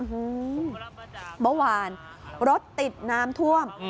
เมื่อวานรถติดน้ำท่วม